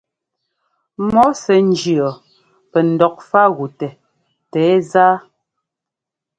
Mɔ̌ sɛ́ njíɔ pɛ ndɔkfágutɛ tɛ̌zá.